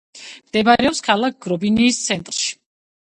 მდებარეობს ქალაქ გრობინიის ცენტრში.